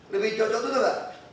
lebih cocok itu gak